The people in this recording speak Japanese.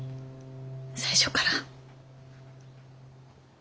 最初から。